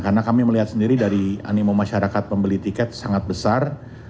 karena kami melihat sendiri dari animo masyarakat membeli tiket sangat besar